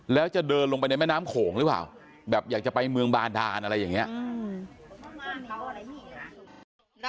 แล้วจะเดินลงไปในแม่น้ำโขงหรือเปล่าแบบอยากจะไปเมืองบาดานอะไรอย่างนี้